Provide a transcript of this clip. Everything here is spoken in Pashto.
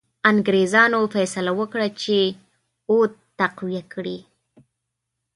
انګرېزانو فیصله وکړه چې اود تقویه کړي.